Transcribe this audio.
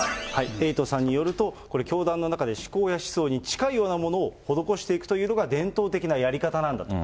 エイトさんによると、これ、教団の中で思想や思考に近いようなものを施していくというのが、伝統的なやり方なんだと。